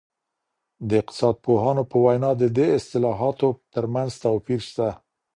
د اقتصاد پوهانو په وينا د دې اصطلاحاتو ترمنځ توپير سته.